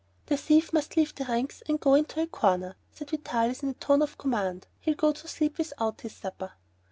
"The thief must leave the ranks and go into a corner," said Vitalis in a tone of command; "he'll go to sleep without his supper."